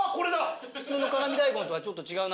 普通の辛味大根とはちょっと違う。